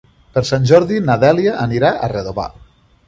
Per Sant Jordi na Dèlia anirà a Redovà.